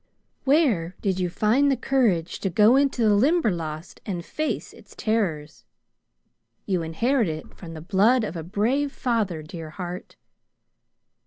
"Where did you find the courage to go into the Limberlost and face its terrors? You inherited it from the blood of a brave father, dear heart.